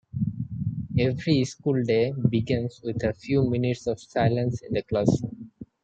Every school day begins with a few minutes of silence in the classroom.